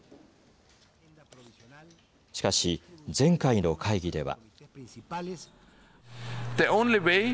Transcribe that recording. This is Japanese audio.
しかし、前回の会議では。